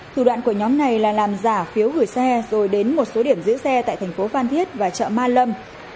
thủ đoạn của nhóm này là làm giả phiếu gửi xe rồi đến một số điểm giữ xe tại thành phố phan thiết và chợ ma lâm